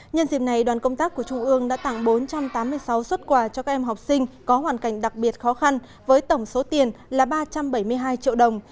nhân dịp này đoàn công tác của trung ương đã tặng bốn trăm tám mươi sáu xuất quà cho các em học sinh có hoàn cảnh đặc biệt khó khăn với tổng số tiền là ba trăm bảy mươi hai triệu đồng